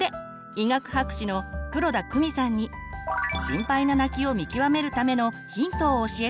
医学博士の黒田公美さんに心配な泣きを見極めるためのヒントを教えてもらいました。